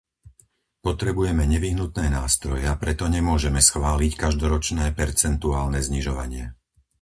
Potrebujeme nevyhnutné nástroje, a preto nemôžeme schváliť každoročné percentuálne znižovanie.